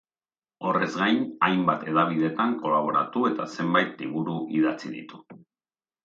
Horrez gain, hainbat hedabideetan kolaboratu eta zenbait liburu idatzi ditu.